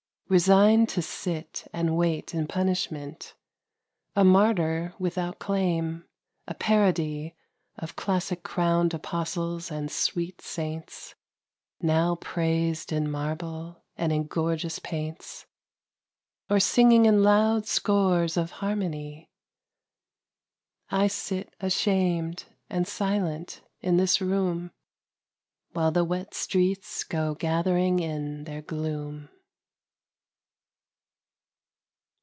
Resigned to sit and wait in punishment, A martyr without claim, a parody Of classic crowned apostles and sweet saints Now praised in marble and in gorgeous paints Or singing in loud scores of harmony .... I sit ashamed and silent in this room While the wet streets go gathering in their gloom.